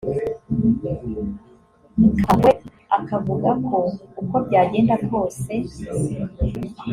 Mkapa we akavuga ko uko byagenda kose